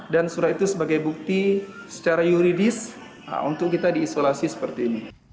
dan surat itu sebagai bukti secara yuridis untuk kita diisolasi seperti ini